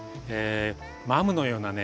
マムのようなね